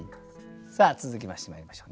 さあ続きましてまいりましょう。